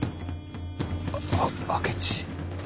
ああ明智。